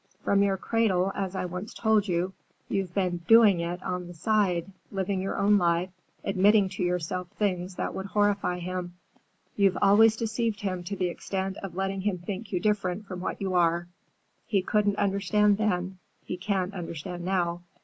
From your cradle, as I once told you, you've been 'doing it' on the side, living your own life, admitting to yourself things that would horrify him. You've always deceived him to the extent of letting him think you different from what you are. He couldn't understand then, he can't understand now.